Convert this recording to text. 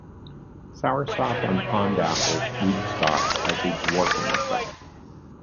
Soursop on Pond-apple rootstock has a dwarfing effect.